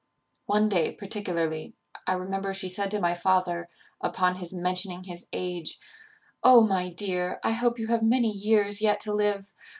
One day, particularly, I remember she said to my father, upon his mentioning his age, 'O, my dear! I hope you have many years yet to live!